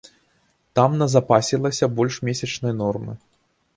Там назапасілася больш месячнай нормы.